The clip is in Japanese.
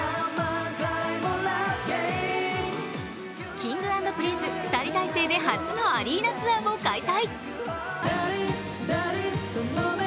Ｋｉｎｇ＆Ｐｒｉｎｃｅ２人体制で初のアリーナツアーを開催。